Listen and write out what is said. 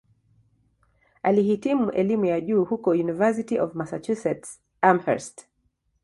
Alihitimu elimu ya juu huko "University of Massachusetts-Amherst".